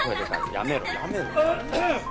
やめろ